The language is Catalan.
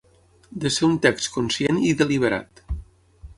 De ser un text conscient i deliberat.